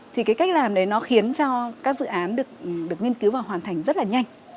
thì cái cách làm đấy nó khiến cho các dự án được nghiên cứu và hoàn thành rất là nhanh